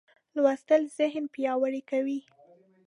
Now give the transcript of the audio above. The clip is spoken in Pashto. لوستل ذهن پیاوړی کوي.